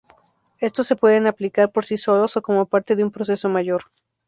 Estos se pueden aplicar por sí solos o como parte de un proceso mayor.